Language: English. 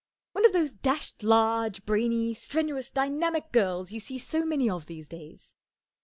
One of those dashed large, brainy, strenuous, dynamic girls you see so many of these days.